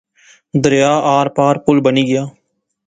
دریا آر پار پل بنی گیا